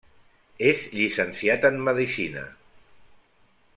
És llicenciat en medicina.